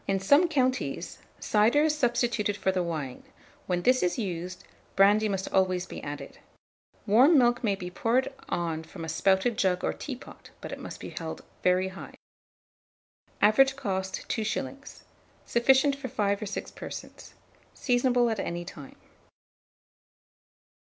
In some counties, cider is substituted for the wine: when this is used, brandy must always be added. Warm milk may be poured on from a spouted jug or teapot; but it must be held very high. Average cost, 2s. Sufficient for 5 or 6 persons. Seasonable at any time.